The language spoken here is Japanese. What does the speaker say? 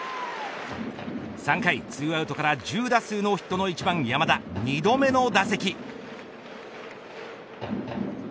３回、２アウトから１０打数ノーヒットの１番山田、２度目の打席。